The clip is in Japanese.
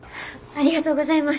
ありがとうございます！